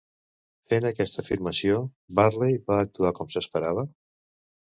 Fent aquesta afirmació, Barley va actuar com s'esperava?